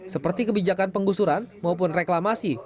seperti kebijakan penggusuran maupun reklamasi